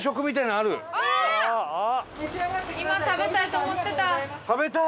今食べたいと思ってた！